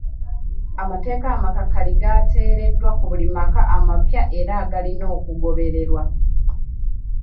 Amateeka amakakali gateereddwa ku buli maka amapya era agalina okugobererwa.